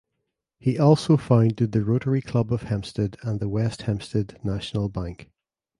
He also founded the Rotary Club of Hempstead and the West Hempstead National Bank.